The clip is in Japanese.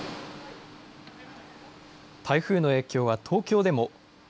台風の影響は東京でも。